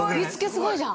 ◆すごいじゃん。